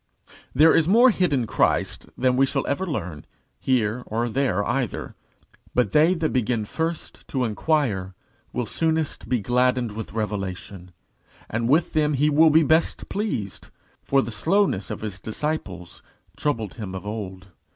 There is more hid in Christ than we shall ever learn, here or there either; but they that begin first to inquire will soonest be gladdened with revelation; and with them he will be best pleased, for the slowness of his disciples troubled him of old.